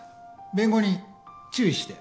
弁護人注意して。